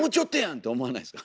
って思わないですか？